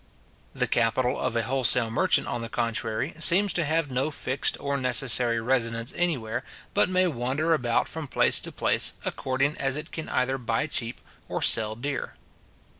The capital of a wholesale merchant, on the contrary, seems to have no fixed or necessary residence anywhere, but may wander about from place to place, according as it can either buy cheap or sell dear.